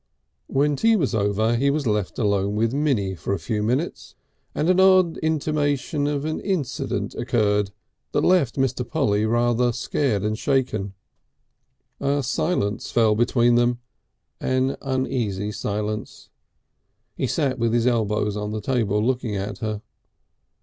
When tea was over he was left alone with Minnie for a few minutes, and an odd intimation of an incident occurred that left Mr. Polly rather scared and shaken. A silence fell between them an uneasy silence. He sat with his elbows on the table looking at her.